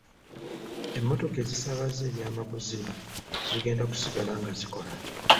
Emmotoka ezisaabaza ebyamaguzi zigenda kusigala nga zikola.